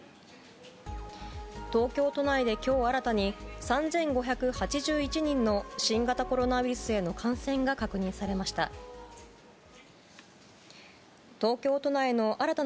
東京都内で今日新たに３５８１人の新型コロナウイルスへの感染が確認されました。